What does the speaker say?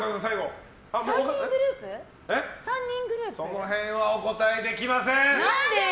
その辺はお答えできません！